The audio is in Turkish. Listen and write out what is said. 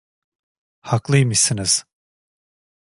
Haklıymışsınız.